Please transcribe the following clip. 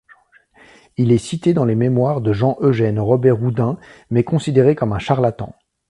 Il est cité dans les mémoires de Jean-Eugène Robert-Houdin, mais considéré comme un charlatan.